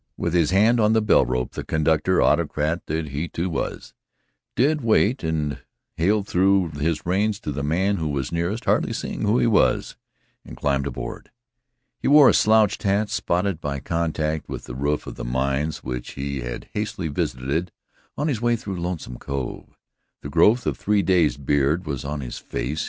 With his hand on the bell rope, the conductor, autocrat that he, too, was, did wait and Hale threw his reins to the man who was nearest, hardly seeing who he was, and climbed aboard. He wore a slouched hat spotted by contact with the roof of the mines which he had hastily visited on his way through Lonesome Cove. The growth of three days' beard was on his face.